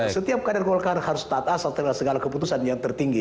setiap kader golkar harus taat asal segala keputusan yang tertinggi